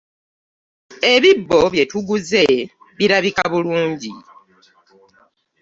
Ebibbo bye tuguze birabika bulungi.